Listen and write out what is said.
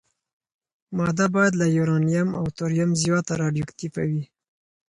ماده باید له یورانیم او توریم زیاته راډیواکټیفه وي.